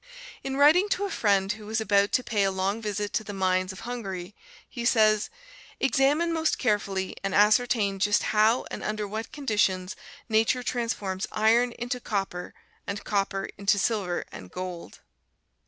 In writing to a friend who was about to pay a long visit to the mines of Hungary, he says, "Examine most carefully and ascertain just how and under what conditions Nature transforms iron into copper and copper into silver and gold."